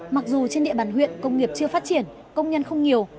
mặc dù trên địa bàn huyện công nghiệp chưa phát triển công nhân không nhiều